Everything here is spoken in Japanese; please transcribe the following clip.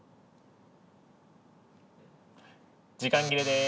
時間切れです。